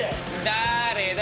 「だれだ？